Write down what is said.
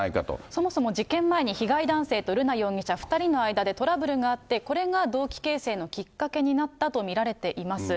そもそも事件前に被害男性と瑠奈容疑者、２人の間でトラブルがあって、これが動機形成のきっかけになったと見られています。